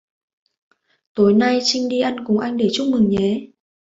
Tối nay Trinh đi ăn với anh để chúc mừng nhé